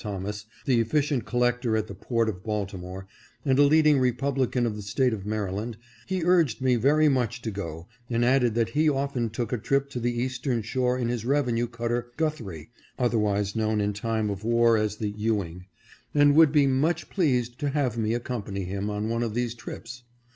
Thomas, the efficient collector at the port of Balti more, and a leading republican of the State of Maryland, he urged me very much to go, and added that he often took a trip to the eastern shore in his revenue cutter Guthrie, (otherwise known in time of war as the Ewing,) and would be much pleased to have me accompany him 540 VISIT TO THE EASTERN SHORE. on one of these trips.